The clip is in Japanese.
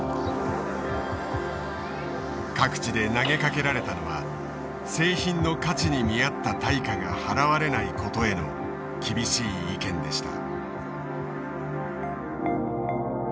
各地で投げかけられたのは製品の価値に見合った対価が払われないことへの厳しい意見でした。